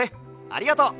ありがとう！